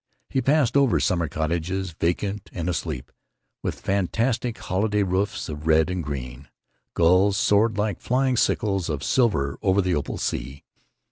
He passed over summer cottages, vacant and asleep, with fantastic holiday roofs of red and green. Gulls soared like flying sickles of silver over the opal sea.